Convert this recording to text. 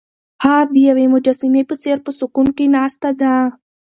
هغه د یوې مجسمې په څېر په سکون کې ناسته ده.